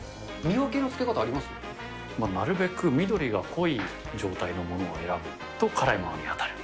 まあなるべく緑が濃い状態のものを選ぶと辛いものに当たる。